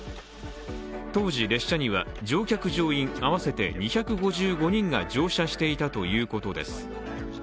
当時、列車には乗客・乗員合わせて２５５人が乗車していたということです。